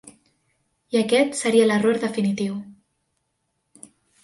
I aquest seria l'error definitiu.